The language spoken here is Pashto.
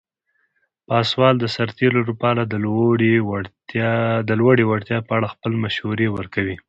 پاسوال د سرتیرو لپاره د لوړې وړتیا په اړه خپل مشورې ورکوي.